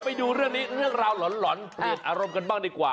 ไปดูเรื่องนี้เรื่องราวหล่อนเปลี่ยนอารมณ์กันบ้างดีกว่า